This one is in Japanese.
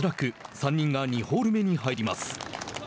３人が２ホール目に入ります。